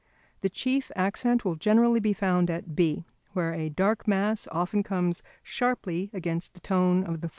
The chief accent will generally be found at B, where a dark mass often comes sharply against the tone of the forehead.